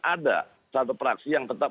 ada satu praksi yang tetap